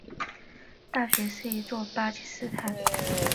阿迦汗大学是一座位于巴基斯坦卡拉奇的私立研究型大学。